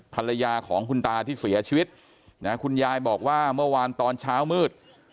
ภรรยาของคุณตาที่เสียชีวิตนะคุณยายบอกว่าเมื่อวานตอนเช้ามืด